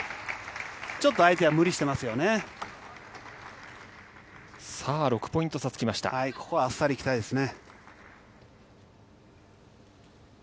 ちょっと相手は無理してますさあ、ここはあっさりいきたいですね。